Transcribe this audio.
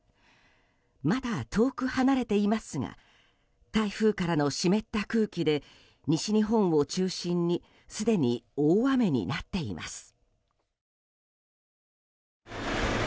まだ遠く離れていますが台風からの湿った空気で西日本を中心にすでに大雨になっています。